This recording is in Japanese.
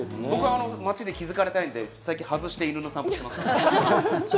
僕、街で気づかれてるんで、最近、外して犬の散歩してます。